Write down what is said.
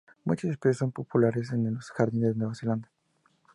Muchas especies son populares en los jardines de Nueva Zelanda.